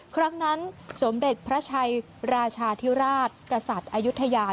ครั้งนั้นสมเด็จพระชัยราชาธิราชกษัตริย์อายุทยา